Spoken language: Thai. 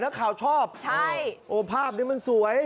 นักข่าวชอบใช่มองภาพนี่มันสวย